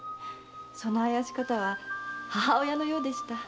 そのあやし方は母親のようでした。